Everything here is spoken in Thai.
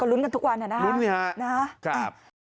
ก็ลุ้นกันทุกวันนะครับนะฮะนะฮะครับ